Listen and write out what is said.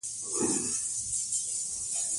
جلګه د افغانستان د ښاري پراختیا سبب کېږي.